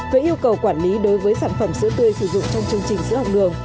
về yêu cầu quản lý đối với sản phẩm sữa tươi sử dụng trong chương trình sữa học đường